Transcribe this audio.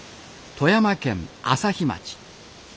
富山県朝日町。